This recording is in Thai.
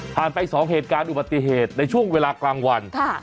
ไป๒เหตุการณ์อุบัติเหตุในช่วงเวลากลางวัน